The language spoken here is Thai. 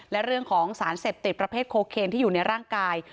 และเรื่องของสารเสพติดประเภทโคเคนที่อยู่ในร่างกาย